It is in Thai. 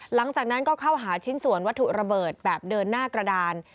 หลังจากนั้นก็เข้าหาชิ้นส่วนวัตถุระเบิดแบบเดินหน้ากระดาน